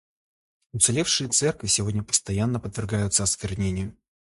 Уцелевшие церкви сегодня постоянно подвергаются осквернению.